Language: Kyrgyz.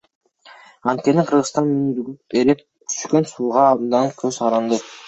Анткени Кыргызстан мөңгүдөн эрип түшкөн сууга абдан көз каранды.